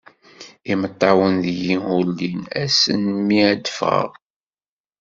Imeṭṭawen deg-i ur llin, ass-n mi ad d-ffɣeɣ